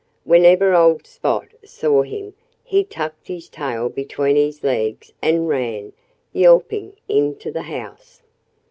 Whenever old Spot saw him he tucked his tail between his legs and ran, yelping, into the house.